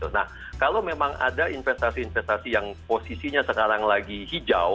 nah kalau memang ada investasi investasi yang posisinya sekarang lagi hijau